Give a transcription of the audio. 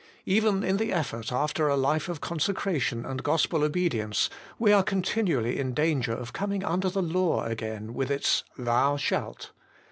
Even in the effort after a life of consecration and gospel obedience, we are continu ally in danger of coming under the law again, with its, Thou shalt.